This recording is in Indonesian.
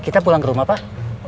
kita pulang ke rumah pak